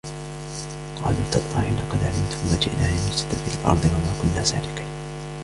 قَالُوا تَاللَّهِ لَقَدْ عَلِمْتُمْ مَا جِئْنَا لِنُفْسِدَ فِي الْأَرْضِ وَمَا كُنَّا سَارِقِينَ